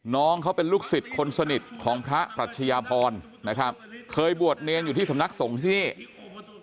น้องเขาเป็นลูกศิษย์คนสนิทของพระปรัชญาพรนะครับเคยบวชเนรอยู่ที่สำนักสงฆ์ที่นี่